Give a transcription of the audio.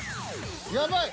やばい！